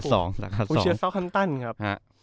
ผมเชียร์ซาวน์ฮันตันครับ